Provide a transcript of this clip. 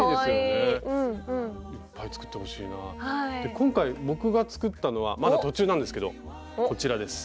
今回僕が作ったのはまだ途中なんですけどこちらです。